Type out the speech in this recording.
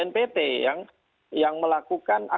yang melakukan aktivitas atau bertugas untuk melakukan teroris